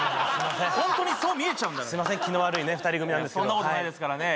ホントにそう見えちゃうんだから気の悪い２人組なんですけどそんなことないですからね